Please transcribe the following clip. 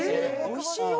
おいしいよ？